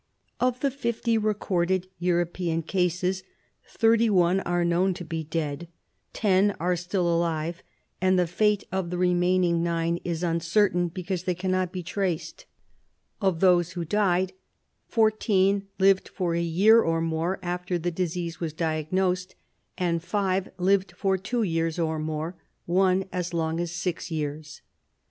Of the fifty recorded European cases, thirty one are known to be dead, ten are still alive, and the fate of the remaining nine is uncertain, because they cannot be traced. Of those 28 RESEARCH DEFENCE SOCIETY who died, fourteen lived for a year or more after the disease was diagnosed, and five lived two years or more, one as long as six years.